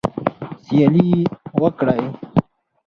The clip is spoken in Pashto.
سیالي وکړئ